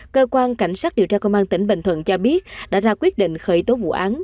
cơ quan cảnh sát điều tra công an tỉnh bình thuận cho biết đã ra quyết định khởi tố vụ án